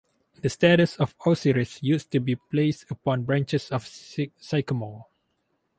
The statue of Osiris used to be placed upon branches of sycamore.